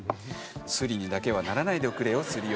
「スリにだけはならないでおくれよスリ夫」